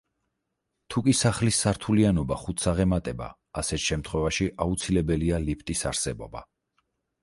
თუკი სახლის სართულიანობა ხუთს აღემატება, ასეთ შემთხვევაში, აუცილებელია ლიფტის არსებობა.